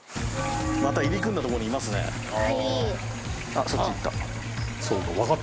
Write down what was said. また入り組んだとこにいますねはいーあっ